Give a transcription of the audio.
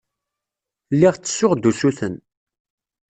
Lliɣ ttessuɣ-d usuten.